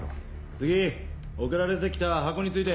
次送られて来た箱について。